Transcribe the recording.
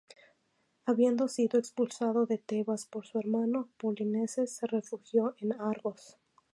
Habiendo sido expulsado de Tebas por su hermano, Polinices se refugió en Argos.